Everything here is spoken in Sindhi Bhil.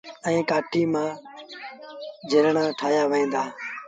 ايئي ڪآٺيٚ مآ جھيرڻآن ٺآهيآ وهين دآ۔